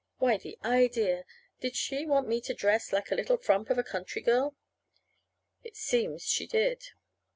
Why, the idea! Did she want me to dress like a little frump of a country girl? It seems she did.